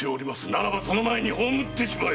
ならばその前に葬ってしまえ！